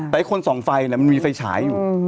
แต่คนส่องไฟมันมีไฟฉายอยู่